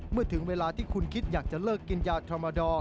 เมื่อถึงเวลาที่คุณคิดอยากจะเลิกกินยาธรรมดอร์